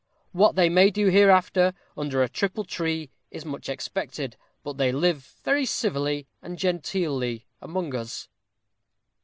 What they may do hereafter, under a triple tree, is much expected; but they live very civilly and genteelly among us.